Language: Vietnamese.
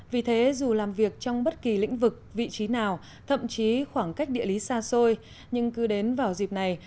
vì thế dù làm việc trong bất kỳ lĩnh vực vị trí nào thậm chí khoảng cách địa lý xa xôi nhưng cứ đến vào dịp này